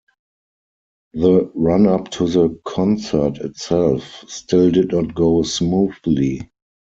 The run-up to the concert itself still did not go smoothly.